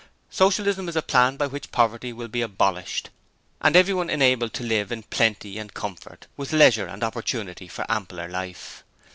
Socialism is a plan by which poverty will be abolished, and everyone enabled to live in plenty and comfort, with leisure and opportunity for ampler life.